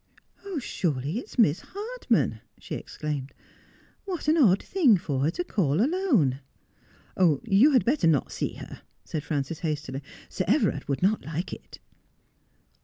' Surely it is Miss Hardman,' she exclaimed. 'What an odd thing for her to call alone !'' You had better not see her,' said Frances hastily. ' Sir Everard would not like it.'